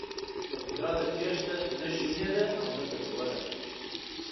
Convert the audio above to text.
له قدرته تېښته نه شونې ده او نه ګټوره.